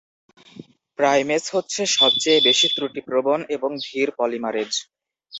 Primase হচ্ছে সবচেয়ে বেশি ত্রুটিপ্রবণ এবং ধীর পলিমারেজ।